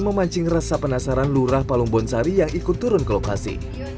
memancing rasa penasaran lurah palung bonsari yang ikut turun ke lokasi